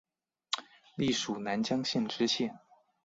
历署南江县知县。